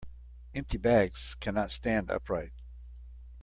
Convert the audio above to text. Empty bags cannot stand upright.